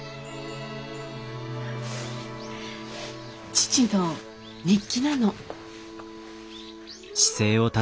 父の日記なの。